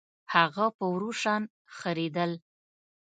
هغه په ورو شان خرېدل